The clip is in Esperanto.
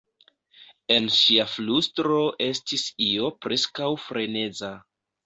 En ŝia flustro estis io preskaŭ freneza.